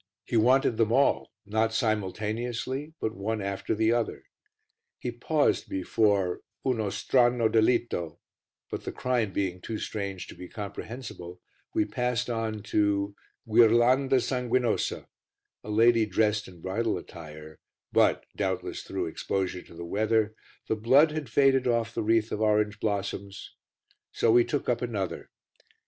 He wanted them all, not simultaneously but one after the other. He paused before Uno Strano Delitto but, the crime being too strange to be comprehensible, we passed on to Guirlanda Sanguinosa, a lady dressed in bridal attire but, doubtless through exposure to the weather, the blood had faded off the wreath of orange blossoms, so we took up another.